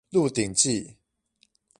鹿鼎記